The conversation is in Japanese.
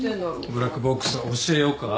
ブラックボックス教えようか？